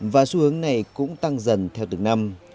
và xu hướng này cũng tăng dần theo từng năm